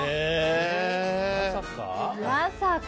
まさか？